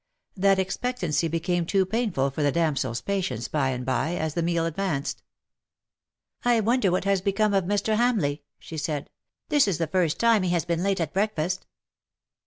That expectancy became too painful for the damseFs patience, by and by, as the meal advanced. " I wonder what has become of Mr. Hamleigh/^ she said. " This is the first time he has been late at breakfast."